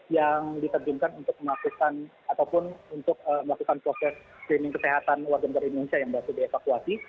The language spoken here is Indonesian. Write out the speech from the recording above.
yang diterjunkan untuk melakukan proses cleaning kesehatan warga negara indonesia yang sudah di evakuasi